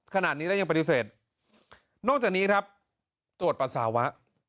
ขนาดนี้แล้วยังปฏิเสธนอกจากนี้ครับตรวจปัสสาวะ